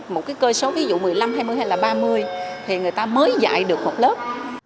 một cái cơ số ví dụ một mươi năm hai mươi hay là ba mươi thì người ta mới dạy được một lớp